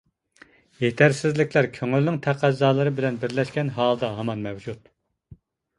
يېتەرسىزلىكلەر كۆڭۈلنىڭ تەقەززالىرى بىلەن بىرلەشكەن ھالدا ھامان مەۋجۇت.